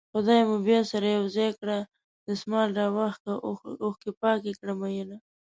خدای به مو بيا سره يو ځای کړي دسمال راواخله اوښکې پاکې کړه مينه